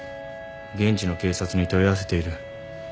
現地の警察に問い合わせている。